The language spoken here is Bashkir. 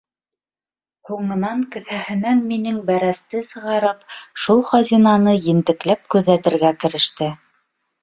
Һуңынан кеҫәһенән минең бәрәсте сығарып шул хазинаны ентекләп күҙәтергә кереште.